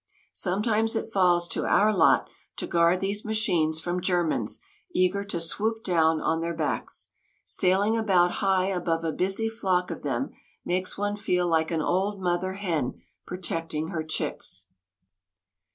Sometimes it falls to our lot to guard these machines from Germans eager to swoop down on their backs. Sailing about high above a busy flock of them makes one feel like an old mother hen protecting her chicks.